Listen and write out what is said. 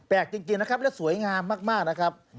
จริงนะครับและสวยงามมากนะครับ